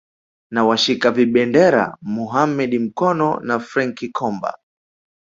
na washika vibendera Mohamed Mkono na Frank Komba